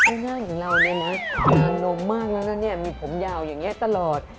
หน้าอย่างเราเนี่ยนะอารมณ์มากแล้วนะเนี่ยมีผมยาวอย่างนี้ตลอด